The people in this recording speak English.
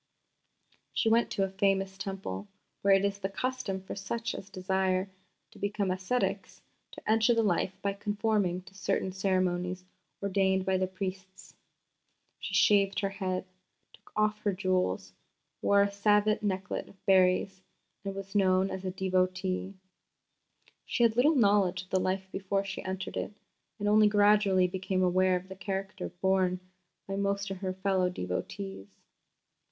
She went to a famous Temple, where it is the custom for such as desire to become ascetics to enter the life by conforming to certain ceremonies ordained by the priests. She shaved her head, took off her jewels, wore a Saivite necklet of berries, and was known as a devotee. She had little knowledge of the life before she entered it, and only gradually became aware of the character borne by most of her fellow devotees.